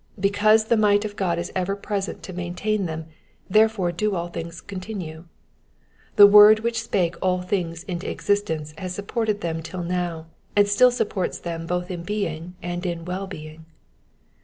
Because the might of God ib ever present to maiot.ain them, therefore do all things continue. The word which spake all thio^ into existence has supported them till now, and sdll supports them both m being and in well being.